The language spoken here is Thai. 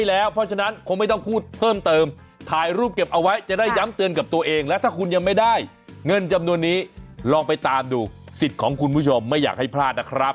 แล้วถ้าคุณยังไม่ได้เงินจำนวนนี้ลองไปตามดูสิทธิ์ของคุณผู้ชมไม่อยากให้พลาดนะครับ